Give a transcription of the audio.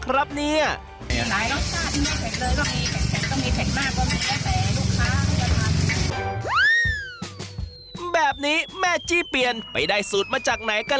นะครับเนี่ยแบบนี้แม่จี้เปลี่ยนไปได้สูตรมาจากไหนกัน